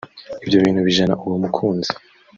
ibyo bintu bijena uwo mukunzi